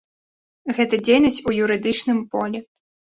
Гэта дзейнасць у юрыдычным полі?